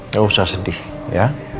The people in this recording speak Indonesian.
gak usah sedih ya